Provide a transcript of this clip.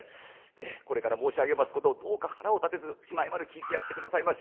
でこれから申し上げますことをどうか腹を立てずしまいまで聞いてやって下さいまし。